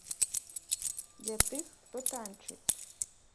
Для тых, хто танчыць!